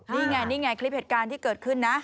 นี่ไงนี่ไงคลิปเหตุการณ์ที่เกิดขึ้นนะ